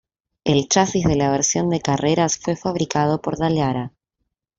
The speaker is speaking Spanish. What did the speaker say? El chasis de la versión de carreras fue fabricado por Dallara.